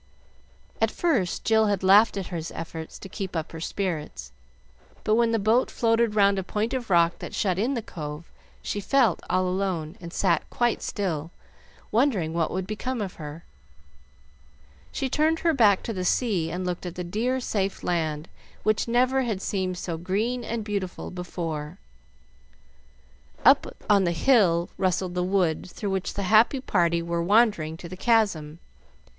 At first Jill had laughed at his efforts to keep up her spirits, but when the boat floated round a point of rock that shut in the cove, she felt all alone, and sat quite still, wondering what would become of her. She turned her back to the sea and looked at the dear, safe land, which never had seemed so green and beautiful before. Up on the hill rustled the wood through which the happy party were wandering to the Chasm.